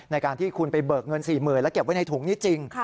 ในการที่คุณไปเบิกเงิน๔๐๐๐แล้วเก็บไว้ในถุงนี้จริง